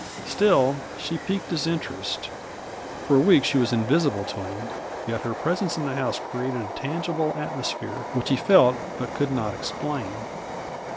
Still, she piqued his interest; for a week she was invisible to him, yet her presence in the house created a tangible atmosphere which he felt but could not explain.